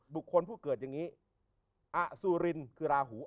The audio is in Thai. บุคคลผู้เกิดอย่างนี้อัสุรินคือลาหู